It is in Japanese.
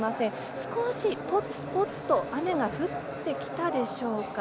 少しぽつぽつと雨が降ってきたでしょうか。